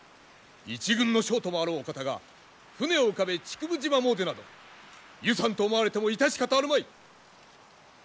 一軍の将ともあろうお方が船を浮かべ竹生島詣でなど遊山と思われても致し方あるまい。